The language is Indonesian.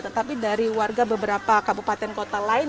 tetapi dari warga beberapa kabupaten kota lain